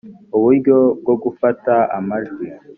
uburyo bwo gufata amajwi